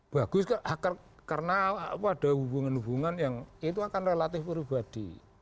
bagus karena ada hubungan hubungan yang itu akan relatif pribadi